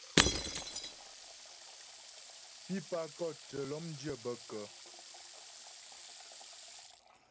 Pípà kɔ̂t tə́ lɔ́mdyə́ bə kə́ ?